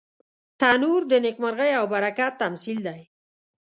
تنور د نیکمرغۍ او برکت تمثیل دی